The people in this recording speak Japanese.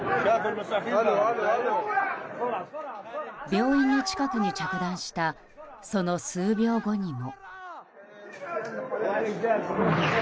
病院の近くに着弾したその数秒後にも。